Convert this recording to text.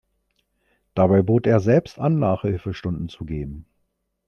Dabei bot er selbst an, Nachhilfestunden zu geben.